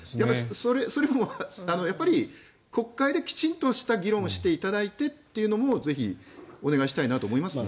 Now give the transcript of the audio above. それもやっぱり国会できちんとした議論をしていただいてというのもぜひお願いしたいなと思いますね。